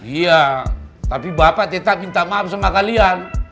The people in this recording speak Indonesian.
iya tapi bapak tetap minta maaf sama kalian